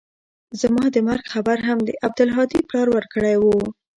زما د مرګ خبر هم د عبدالهادي پلار ورکړى و.